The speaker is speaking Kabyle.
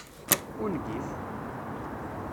Ungif!